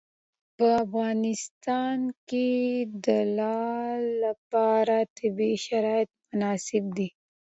په افغانستان کې د لعل لپاره طبیعي شرایط مناسب دي.